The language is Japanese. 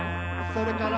「それから」